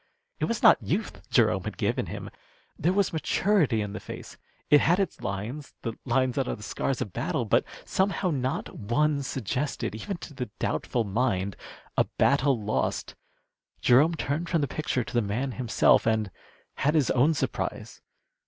It was not youth Jerome had given him. There was maturity in the face. It had its lines the lines that are the scars of battle; but somehow not one suggested, even to the doubtful mind, a battle lost. Jerome turned from the picture to the man himself, and had his own surprise.